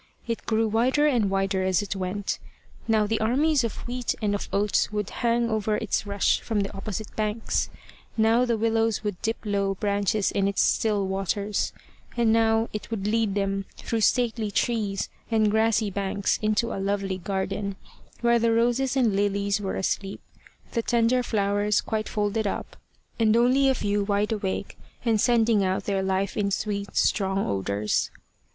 It grew wider and wider as it went. Now the armies of wheat and of oats would hang over its rush from the opposite banks; now the willows would dip low branches in its still waters; and now it would lead them through stately trees and grassy banks into a lovely garden, where the roses and lilies were asleep, the tender flowers quite folded up, and only a few wide awake and sending out their life in sweet, strong odours.